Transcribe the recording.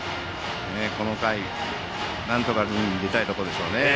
この回、なんとか塁に出たいところでしょう。